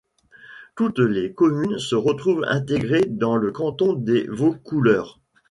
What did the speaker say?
Toutes les communes se retrouvent intégrées dans le canton de Vaucouleurs.